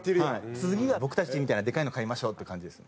「次は僕たちみたいなでかいの買いましょう」って感じですね。